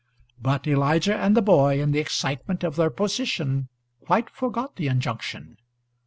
But Elijah and the boy, in the excitement of their position, quite forgot the injunction.